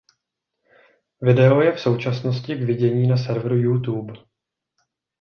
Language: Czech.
Video je v současnosti k vidění na serveru Youtube.